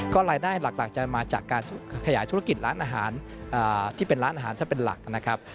รายได้หลักจะมาจากการขยายธุรกิจร้านอาหารที่เป็นร้านอาหารซะเป็นหลักนะครับ